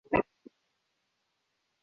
生于康熙十一年。